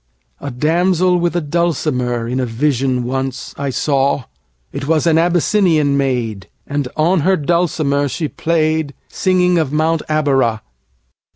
A damsel with a dulcimerIn a vision once I saw:It was an Abyssinian maid, And on her dulcimer she played, Singing of Mount Abora.